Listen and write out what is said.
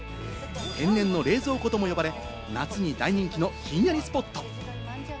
天然の冷蔵庫とも呼ばれ、夏に大人気のヒンヤリスポット。